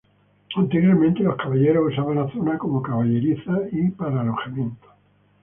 Anteriormente los caballeros usaban la zona como caballerizas y para alojamiento.